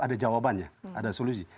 ada jawabannya ada solusi